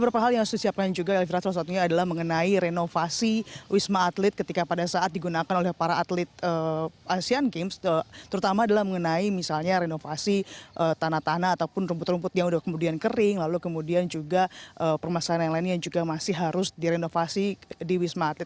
beberapa hal yang harus disiapkan juga elvira salah satunya adalah mengenai renovasi wisma atlet ketika pada saat digunakan oleh para atlet asean games terutama adalah mengenai misalnya renovasi tanah tanah ataupun rumput rumput yang sudah kemudian kering lalu kemudian juga permasalahan yang lainnya yang juga masih harus direnovasi di wisma atlet